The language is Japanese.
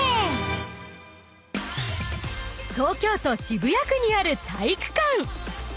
［東京都渋谷区にある体育館］